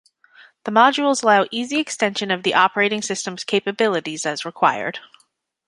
The modules allow easy extension of the operating systems' capabilities as required.